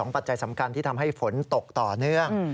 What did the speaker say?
ปัจจัยสำคัญที่ทำให้ฝนตกต่อเนื่อง